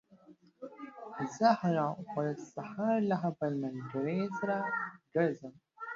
زه هره ورځ سهار له خپل ملګري سره ګرځم.